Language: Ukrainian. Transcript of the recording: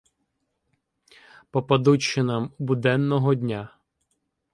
— Попадуть ще нам буденного дня.